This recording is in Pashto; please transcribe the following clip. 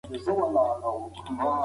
ته زړه کیږي